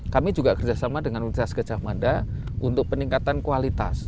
kami juga kerjasama dengan universitas gejah mada untuk peningkatan kualitas